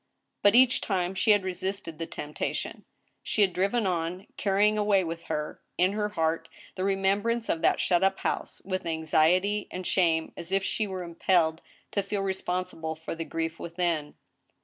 But each time she had resisted the temptation. She had driven on — carrying away with her, in her heart, the remembrance of that shut up house, with anxiety and shame, as if she were impelled to feel responsible for the grief within.